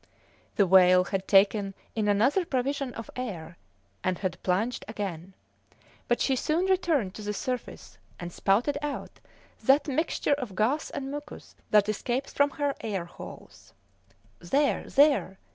The whale had taken in another provision of air, and had plunged again; but she soon returned to the surface and spouted out that mixture of gas and mucus that escapes from her air holes. "There! There!"